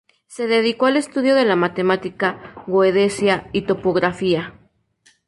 Se dedicó al estudio de la matemática, geodesia y topografía.